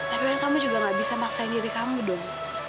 tapi kan kamu juga gak bisa maksain diri kamu dong